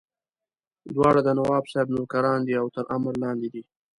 دواړه د نواب صاحب نوکران دي او تر امر لاندې دي.